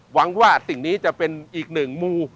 หวังว่าสิ่งนี้จะเป็นอีกหนึ่งมู